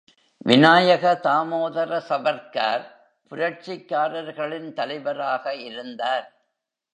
விநாயக தாமோதர சவர்க்கார் புரட்சிக்காரர்களின் தலைவராக இருந்தார்.